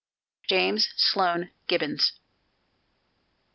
JAMES SLOAN GIBBONS.